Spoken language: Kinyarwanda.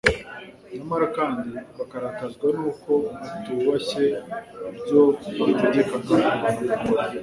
Nyamara kandi bakarakazwa n'uko atubashye ibyo bategekaga abantu gukora.